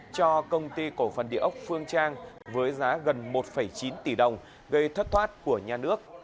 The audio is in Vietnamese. cho công ty cổ phần địa ốc phương trang với giá gần một chín tỷ đồng gây thất thoát của nhà nước